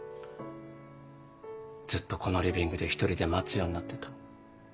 ずっとこのリビングで一人で待つようになってた。